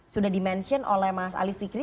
sudah di mention oleh mas ali fikri